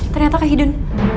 ternyata ke hidun